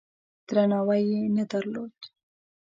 درناوی یې نه درلود.